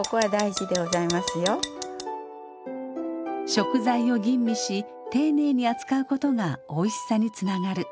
食材を吟味し丁寧に扱うことがおいしさにつながる。